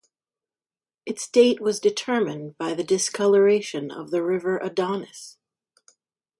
Its date was determined by the discoloration of the river Adonis.